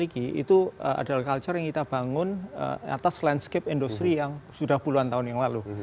kita sering kita bangun atas landscape industry yang sudah puluhan tahun yang lalu